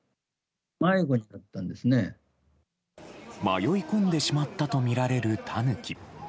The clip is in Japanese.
迷い込んでしまったとみられるタヌキ。